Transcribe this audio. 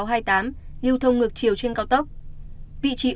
vị trí ô tô lưu thông ngược chiều là đoạn thi công nút rào